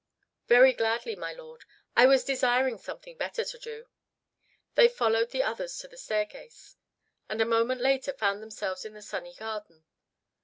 "Very gladly, my lord. I was desiring something better to do." They followed the others to the staircase, and a moment later found themselves in the sunny garden.